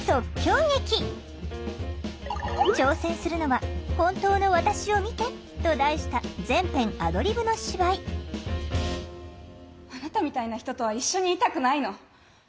挑戦するのは「本当の私を見て！」と題した全編アドリブの芝居「あなたみたいな人とは一緒にいたくないの。